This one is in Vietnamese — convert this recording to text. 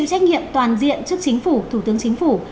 kinh nghiệm toàn diện trước chính phủ thủ tướng chính phủ